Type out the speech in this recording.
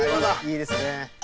いいですね。